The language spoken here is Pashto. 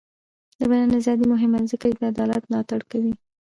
د بیان ازادي مهمه ده ځکه چې د عدالت ملاتړ کوي.